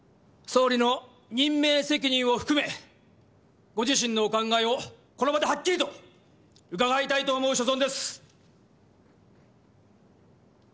総理の任命責任を含めご自身のお考えをこの場ではっきりと伺いたいと思う所存です。